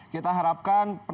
kita harapkan penambahan